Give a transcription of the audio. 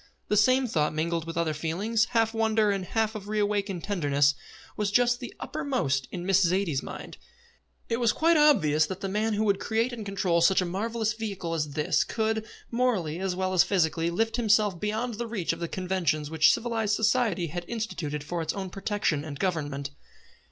The same thought, mingled with other feelings, half of wonder and half of re awakened tenderness, was just then uppermost in Miss Zaidie's mind. It was quite obvious that the man who could create and control such a marvellous vehicle as this could, morally as well as physically, lift himself beyond the reach of the conventions which civilised society had instituted for its own protection and government.